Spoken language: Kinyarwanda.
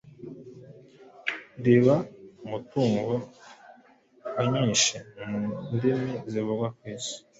riba umutungo wa nyinshi mu ndimi zivugwa ku Isi.